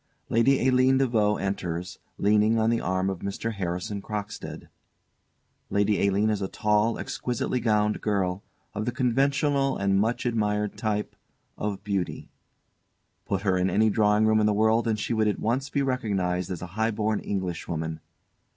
_ LADY ALINE DE VAUX enters, leaning on the arm of MR. HARRISON CROCKSTEAD. LADY ALINE _is a tall, exquisitely gowned girl, of the conventional and much admired type of beauty. Put her in any drawing room in the world, and she would at once be recognised as a highborn Englishwoman.